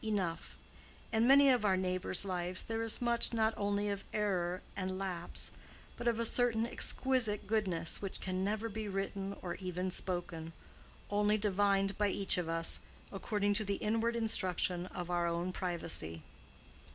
Enough. In many of our neighbors' lives there is much not only of error and lapse, but of a certain exquisite goodness which can never be written or even spoken—only divined by each of us, according to the inward instruction of our own privacy.